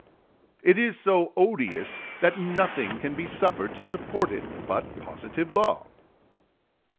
It is so odious that nothing can be suffered to support it but positive law."